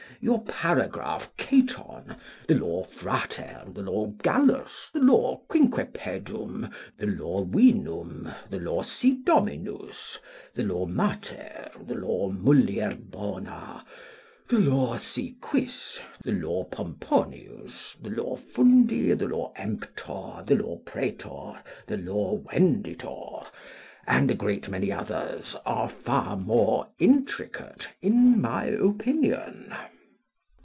Your paragraph Caton, the law Frater, the law Gallus, the law Quinque pedum, the law Vinum, the law Si Dominus, the law Mater, the law Mulier bona, to the law Si quis, the law Pomponius, the law Fundi, the law Emptor, the law Praetor, the law Venditor, and a great many others, are far more intricate in my opinion.